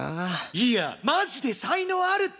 いやマジで才能あるって！